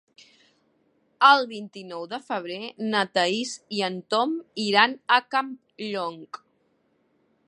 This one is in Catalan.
El vint-i-nou de febrer na Thaís i en Tom iran a Campllong.